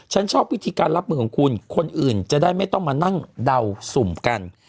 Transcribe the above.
ฉันชอบวิธีการรับมือของคุณคนอื่นจะได้ไม่ต้องมานั่งเดาสุ่มกัน